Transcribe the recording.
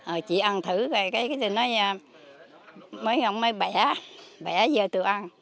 ờ chị ăn thử rồi cái nói mấy ông mới bẻ bẻ vô tôi ăn